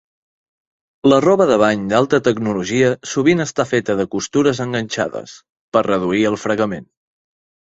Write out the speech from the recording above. La roba de bany d'alta tecnologia sovint està feta de costures enganxades, per reduir el fregament.